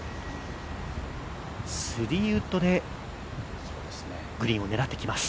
３ウッドでグリーンを狙ってきます